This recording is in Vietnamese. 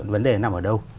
vấn đề nằm ở đâu